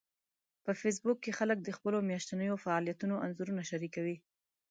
په فېسبوک کې خلک د خپلو میاشتنيو فعالیتونو انځورونه شریکوي